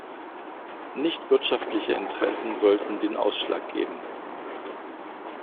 Nicht wirtschaftliche Interessen sollten den Ausschlag geben.